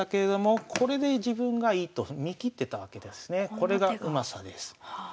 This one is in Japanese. これがうまさです。